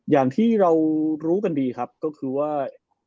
อย่างที่เรารู้กันดีครับก็คือว่า